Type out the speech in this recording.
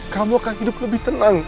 kamu akan hidup lebih tenang